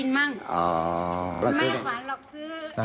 เผื่อเราทำงานไม่ไหวก็จะไว้กินมั่ง